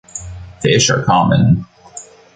Fish are common.